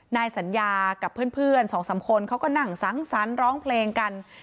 นายสัญญากับเพื่อน๒๓คนเขาก็นั่งสังสรรค์ร้องเพลงกัน